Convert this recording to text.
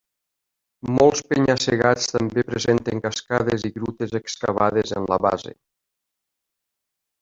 Molts penya-segats també presenten cascades i grutes excavades en la base.